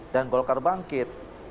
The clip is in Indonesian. dan golkar bangkit